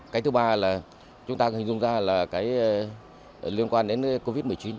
cái thứ ba là chúng ta hình dung ra là cái liên quan đến covid một mươi chín